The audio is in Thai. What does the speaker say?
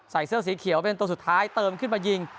เสื้อสีเขียวเป็นตัวสุดท้ายเติมขึ้นมายิง